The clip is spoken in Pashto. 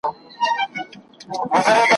تور مولوي به په شیطانه ژبه ,